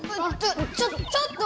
ちょっと！